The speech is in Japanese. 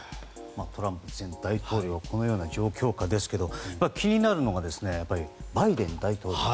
トランプ前大統領このような状況下ですけど気になるのがバイデン大統領。